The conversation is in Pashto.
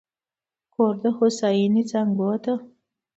کور د هوساینې زانګو ده.